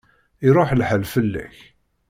Iṛuḥ lḥal fell-ak.